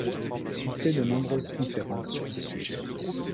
Il fait de nombreuses conférences sur ce sujet.